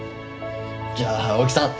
じゃあ大木さん